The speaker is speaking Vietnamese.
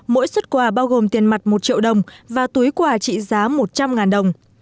mỗi xuất quà bao gồm tiền mặt một triệu đồng và túi quà trị giá một trăm linh đồng